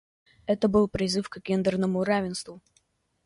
Это был призыв к гендерному равенству.